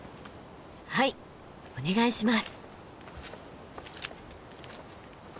はいお願いします。